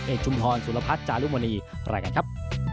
เอกจุมธรสุรพัฒน์จารุมณีรายการครับ